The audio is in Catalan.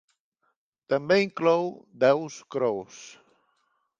També inclou Daw's Cross.